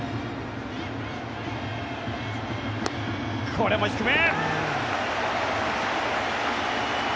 これも低め。